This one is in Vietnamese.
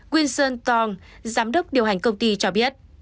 winson tong giám đốc điều hành công ty cho biết